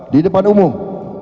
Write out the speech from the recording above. di depan umum